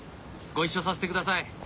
ご一緒させてください。